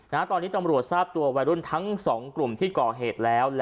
ตอนนี้ตำรวจทราบตัววัยรุ่นทั้งสองกลุ่มที่ก่อเหตุแล้ว